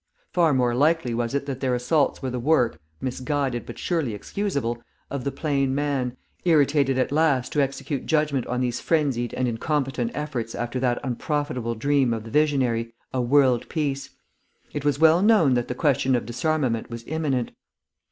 Far more likely was it that their assaults were the work, misguided but surely excusable, of the Plain Man, irritated at last to execute judgment on these frenzied and incompetent efforts after that unprofitable dream of the visionary, a world peace. It was well known that the question of disarmament was imminent....